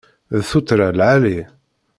D tuttra lɛali.